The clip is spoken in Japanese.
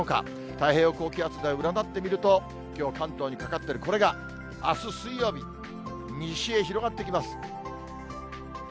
太平洋高気圧で占ってみると、きょう関東にかかってる、これがあす水曜日、西へ広がっていきます。